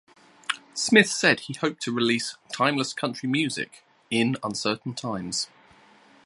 Smith said he hoped to release "timeless country music" in "uncertain times".